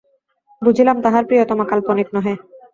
বুঝিলাম তাহার প্রিয়তমা কাল্পনিক নহে।